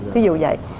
ví dụ vậy